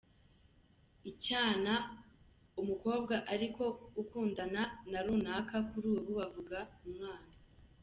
Icyana” : Umukobwa ariko ukundana na runaka kuri ubu bavuga umwana.